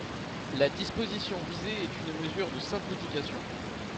La disposition visée est une mesure de simplification.